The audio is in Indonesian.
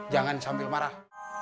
jangan sambil marah